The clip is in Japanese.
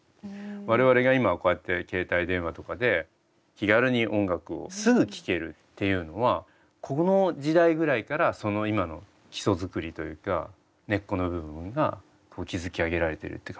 我々が今こうやって携帯電話とかで気軽に音楽をすぐ聴けるっていうのはこの時代ぐらいからその今の基礎作りというか根っこの部分が築き上げられてるって感じ。